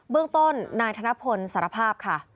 เรื่องต้นนายธนพลสารภาพค่ะ